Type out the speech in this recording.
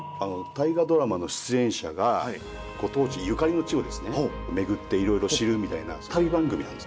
「大河ドラマ」の出演者がご当地ゆかりの地をですね巡っていろいろ知るみたいな旅番組なんですよ。